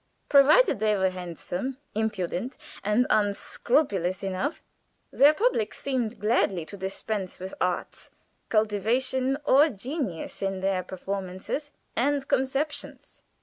Provided they were handsome, impudent, and unscrupulous enough, their public seemed gladly to dispense with art, cultivation, or genius in their performances and conceptions."